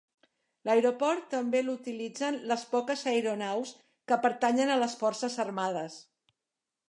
L'aeroport també l'utilitzen les poques aeronaus que pertanyen a les forces armades.